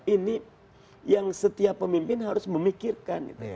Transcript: ini yang setiap pemimpin harus memikirkan